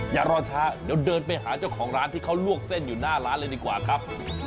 อย่ารอช้าเดี๋ยวเดินไปหาเจ้าของร้านที่เขาลวกเส้นอยู่หน้าร้านเลยดีกว่าครับ